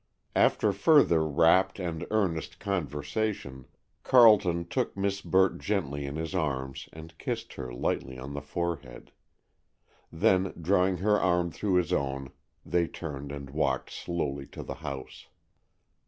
After further rapt and earnest conversation, Carleton took Miss Burt gently in his arms and kissed her lightly on the forehead. Then, drawing her arm through his own, they turned and walked slowly to the house.